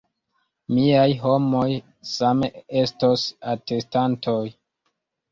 Miaj homoj same estos atestantoj.